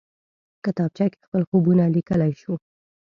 کتابچه کې خپل خوبونه لیکلی شو